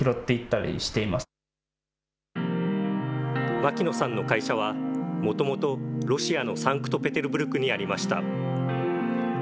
牧野さんの会社は、もともとロシアのサンクトペテルブルクにありました。